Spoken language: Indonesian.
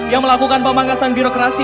yang melakukan pembangkasan birokrasi